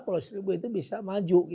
pulau seribu itu bisa maju